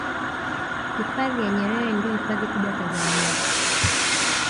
hifadhi ya nyerere ndiyo hifadhi kubwa tanzania